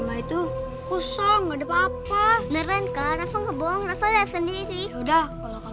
yaudah kalau kamu gak peda kita cek aja yuk